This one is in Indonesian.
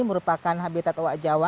merupakan habitat owa jawa